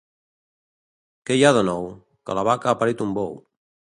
—Què hi ha de nou? —Que la vaca ha parit un bou.